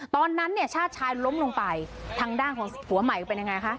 ตอนนั้นเนี่ยชาติชายล้มลงไปทางด้านของผัวใหม่เป็นยังไงคะ